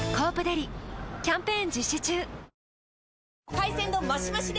海鮮丼マシマシで！